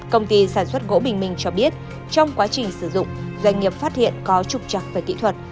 công ty sản xuất gỗ bình minh cho biết trong quá trình sử dụng doanh nghiệp phát hiện có trục trặc về kỹ thuật